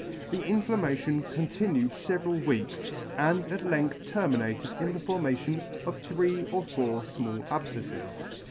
The inflammation con tinued feveral weeks, and at length terminated in the formation of three or four fmall abfceffes.